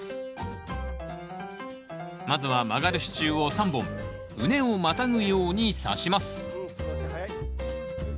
まずは曲がる支柱を３本畝をまたぐようにさします